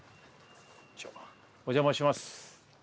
お邪魔します。